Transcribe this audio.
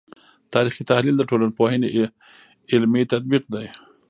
تاریخي تحلیل د ټولنپوهنې علمي تطبیق دی.